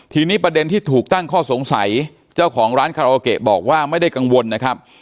ทีนี้ประเด็นที่ถูกตั้งข้อสงสัยเจ้าของร้านคาราโอเกะบอกว่าไม่ได้กังวลนะครับ